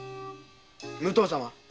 武藤様